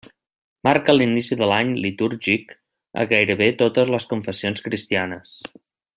Marca l'inici de l'any litúrgic a gairebé totes les confessions cristianes.